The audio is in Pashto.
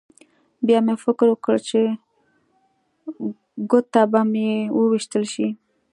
بیا مې فکر وکړ چې ګوته به مې وویشتل شي